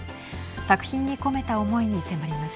作品に込めた思いに迫ります。